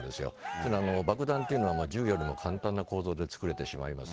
というのは、爆弾というのは銃よりも簡単な構造で作れてしまいます。